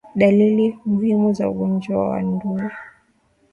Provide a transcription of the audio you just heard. Dalili muhimu za ugonjwa wa ndui